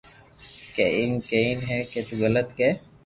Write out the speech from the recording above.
ڪي ايم ڪين ھي ڪي تو غلط ڪي